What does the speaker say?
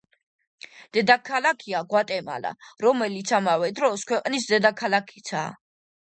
დედაქალაქია გვატემალა, რომელიც ამავე დროს ქვეყნის დედაქალაქიცაა.